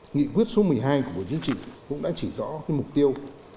nghị quyết số một mươi hai của buổi chương trình cũng đã chỉ rõ mục tiêu